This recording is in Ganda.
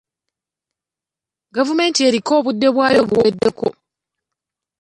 Gavumenti eriko obudde bwayo buweddeko.